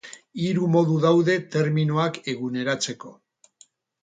Hiru modu daude terminoak eguneratzeko.